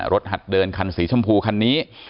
หัดเดินคันสีชมพูคันนี้